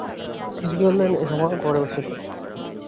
সিসিকে বললেন, এসো মা, ঘরে বসবে এসো।